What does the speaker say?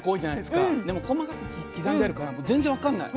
でも細かく刻んであるから全然分かんない。